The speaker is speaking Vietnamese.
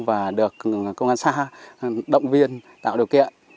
và được công an xã động viên tạo điều kiện